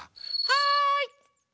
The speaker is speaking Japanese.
はい！